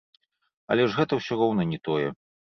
Але ж гэта ўсё роўна не тое.